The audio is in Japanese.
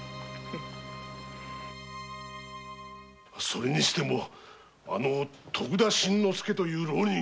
それにしても徳田新之助という浪人は。